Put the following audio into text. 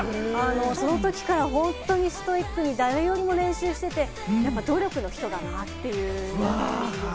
そのときから本当にストイックに、誰よりも練習していて、やっぱ努力の人なんだなというイメージです。